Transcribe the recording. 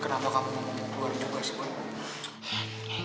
kenapa kamu ngomong ngomong keluar juga sih pak